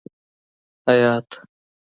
حیات